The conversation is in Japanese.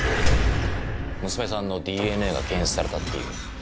娘さんのＤＮＡが検出されたっていう。